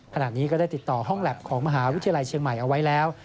ขณะนี้ก็ได้ติดต่อห้องแล็บของมหาวิทยาลัยเชียงใหม่เอาไว้แล้ว